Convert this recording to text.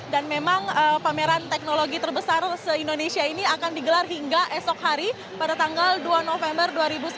memang pameran teknologi terbesar se indonesia ini akan digelar hingga esok hari pada tanggal dua november dua ribu sembilan belas